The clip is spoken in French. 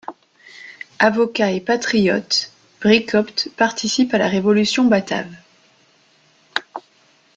Avocat et patriote, Breekopt participe à la Révolution batave.